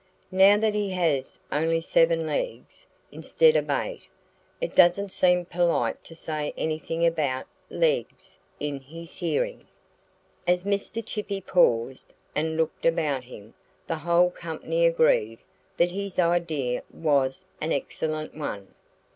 Now that he has only seven legs instead of eight it doesn't seem polite to say anything about legs in his hearing." As Mr. Chippy paused and looked about him the whole company agreed that his idea was an excellent one.